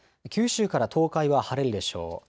九州から東海は晴れるでしょう。